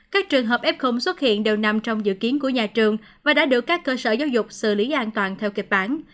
các trường hợp f xuất hiện đều nằm trong dự kiến của nhà trường và đã được các cơ sở giáo dục xử lý an toàn theo kịch bản